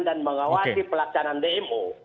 dan mengawasi pelaksanaan dmo